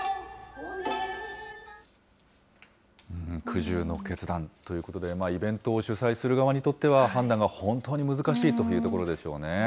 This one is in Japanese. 苦渋の決断ということで、イベントを主催する側にとっては、判断が本当に難しいというところでしょうね。